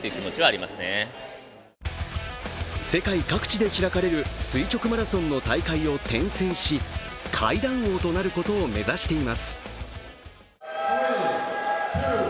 世界各地で開かれる垂直マラソンの大会を転戦し階段王となることを目指しています。